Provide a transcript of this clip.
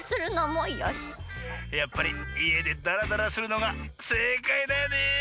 やっぱりいえでダラダラするのが正解だよね。